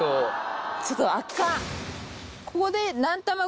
ちょっと圧巻。